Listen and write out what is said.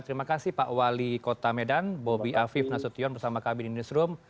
terima kasih pak wali kota medan bobi afif nasution bersama kami di newsroom